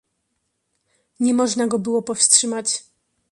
"Nie można go było powstrzymać."